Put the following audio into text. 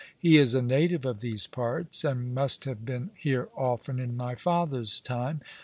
He is a native of these parts, and must have been here often in my father's time.